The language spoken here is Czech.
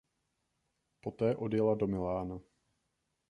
Poté odjela do Milána.